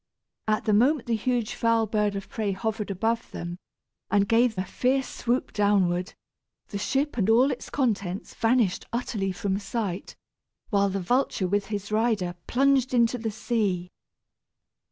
At the moment the huge foul bird of prey hovered above them and gave a fierce swoop downward, the ship and all its contents vanished utterly from sight, while the vulture with his rider plunged into the sea.